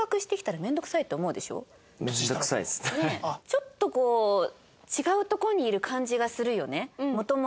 ちょっとこう違う所にいる感じがするよね元々。